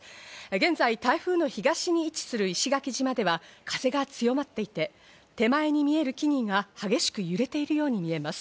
現在、台風の東に位置する石垣島では風が強まっていて、手前に見える木々が激しく揺れているように見えます。